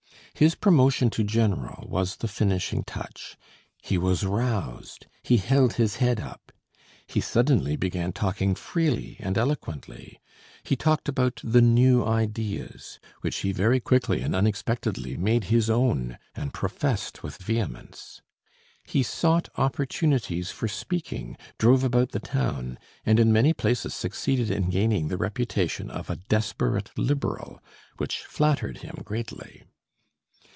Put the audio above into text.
His promotion to general was the finishing touch. He was roused; he held his head up. He suddenly began talking freely and eloquently. He talked about the new ideas, which he very quickly and unexpectedly made his own and professed with vehemence. He sought opportunities for speaking, drove about the town, and in many places succeeded in gaining the reputation of a desperate Liberal, which flattered him greatly.